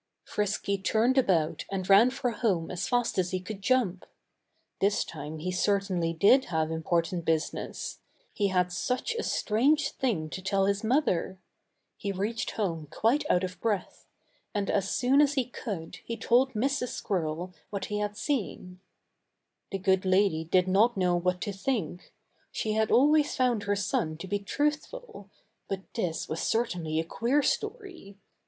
Frisky turned about and ran for home as fast as he could jump. This time he certainly did have important business. He had such a strange thing to tell his mother! He reached home quite out of breath. And as soon as he could, he told Mrs. Squirrel what he had seen. That good lady did not know what to think. She had always found her son to be truthful. But this was certainly a queer story.